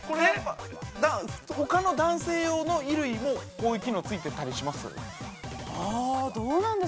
◆ほかの男性用の衣類も、こういう機能がついてたりします？